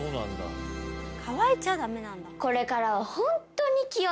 乾いちゃ駄目なんだ。